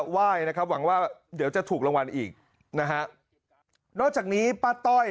ไหว้นะครับหวังว่าเดี๋ยวจะถูกรางวัลอีกนะฮะนอกจากนี้ป้าต้อย